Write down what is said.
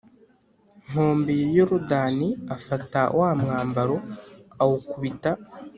Nkombe ya yorodani afata wa mwambaro awukubita